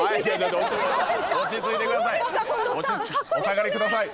お下がり下さい。